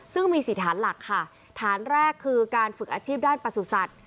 ซึ่งมี๔ฐานหลักค่ะฐานแรกคือการฝึกอาชีพด้านประสุทธิ์